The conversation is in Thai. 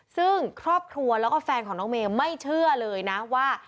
ซึ่งครอบครัวแล้วก็แฟนของน้องเมย์ไม่เชื่อเลยนะว่า